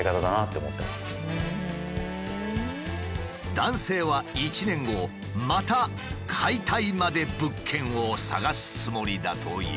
男性は１年後また「解体まで物件」を探すつもりだという。